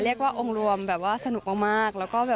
เรียกว่าองค์รวมสนุกมาก